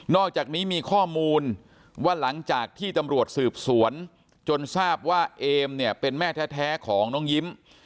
อกจากนี้มีข้อมูลว่าหลังจากที่ตำรวจสืบสวนจนทราบว่าเอมเนี่ยเป็นแม่แท้ของน้องยิ้ม